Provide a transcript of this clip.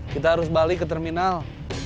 kita harus balik ke terminal